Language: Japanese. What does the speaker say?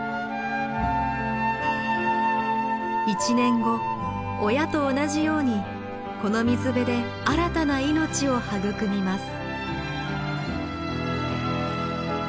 １年後親と同じようにこの水辺で新たな命を育みます。